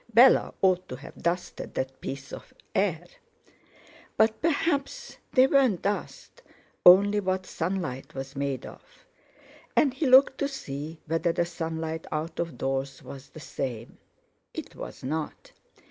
Bella ought to have dusted that piece of air! But perhaps they weren't dust—only what sunlight was made of, and he looked to see whether the sunlight out of doors was the same. It was not.